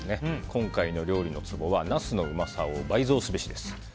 今回の料理のツボはナスのうまさを倍増すべしです。